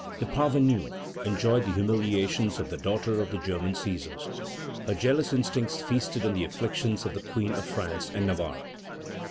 The parvenue enjoyed the humiliations of the daughter of the German Cæsars. Her jealous instincts feasted on the afflictions of the Queen of France and Navarre.